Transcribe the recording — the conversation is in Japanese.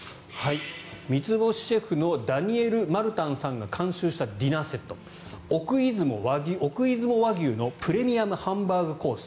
３つ星シェフのダニエル・マルタンさんが監修したディナーセット奥出雲和牛のプレミアムハンバーグコース